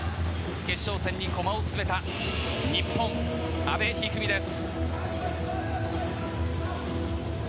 決勝戦に駒を進めた日本、阿部一二三です。